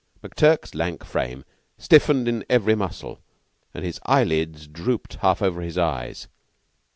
McTurk's lank frame stiffened in every muscle and his eyelids dropped half over his eyes.